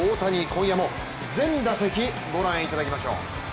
今夜も全打席、御覧いただきましょう。